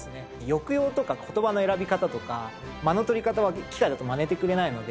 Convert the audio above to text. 抑揚とか言葉の選び方とか間の取り方は機械だとマネてくれないので。